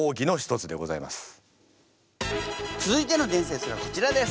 続いての伝説はこちらです。